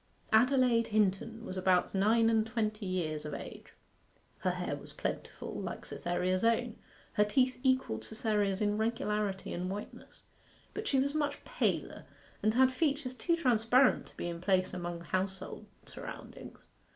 Adelaide Hinton was about nine and twenty years of age. Her hair was plentiful, like Cytherea's own; her teeth equalled Cytherea's in regularity and whiteness. But she was much paler, and had features too transparent to be in place among household surroundings.